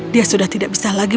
dia sudah tidak bisa lagi